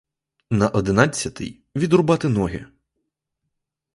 На одинадцятий — відрубати ноги.